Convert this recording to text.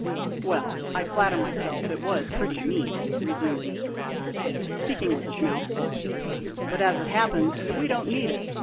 "Well, I flatter myself it was pretty neat," resumed Mr. Rogers, speaking with his mouth full; "but, as it happens, we don't need it.